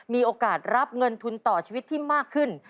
มีโอกาสรับเงินทุนต่อชีวิตที่มากขึ้น